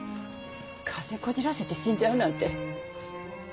こじらせて死んじゃうなんて。